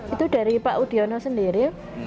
itu dari pak udiono sendiri